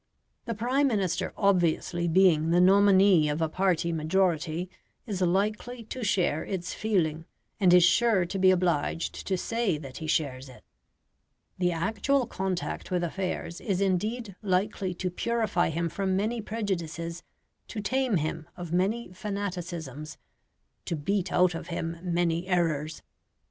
The Prime Minister obviously being the nominee of a party majority is likely to share its feeling, and is sure to be obliged to say that he shares it. The actual contact with affairs is indeed likely to purify him from many prejudices, to tame him of many fanaticisms, to beat out of him many errors.